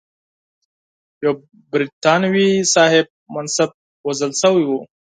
یو برټانوي صاحب منصب وژل شوی و.